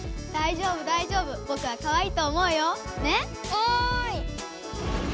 おい！